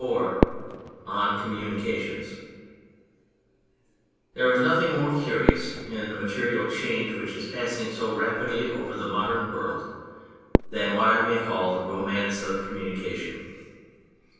158 ON COMMUNICATIONS THERE is nothing more curious in the material change which is passing so rapidly over the modern world than what I may call the Romance of Com munication.